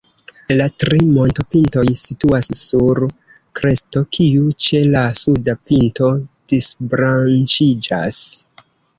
La tri montopintoj situas sur kresto, kiu ĉe la suda pinto disbranĉiĝas.